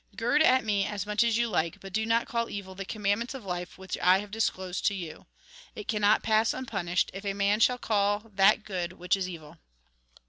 Gird at me as much as you like, but do not call evil the commandments of life which I have disclosed to you. It cannot pass unpunished, if a man shall call that good which is evil.